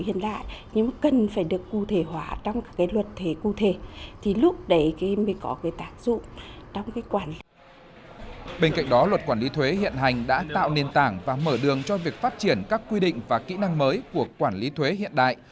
thời hạn nộp hồ sơ khai thuế trong trường hợp mở đường cho việc phát triển các quy định và kỹ năng mới của quản lý thuế hiện đại